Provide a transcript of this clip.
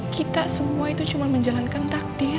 kita semua itu cuma menjalankan takdir